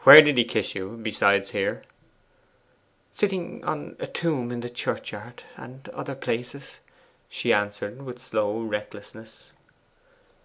'Where did he kiss you besides here?' 'Sitting on a tomb in the churchyard and other places,' she answered with slow recklessness.